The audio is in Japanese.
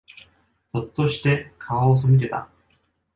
ぞっとして、顔を背けた。